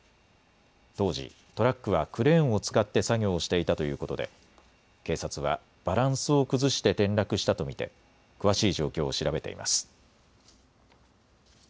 当時、トラックはクレーンを使って作業をしていたということで警察はバランスを崩して転落したと見て詳しい状況を調べています。